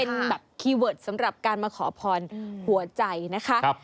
เป็นแบบคีย์เวิร์ดสำหรับการมาขอพรหัวใจนะคะ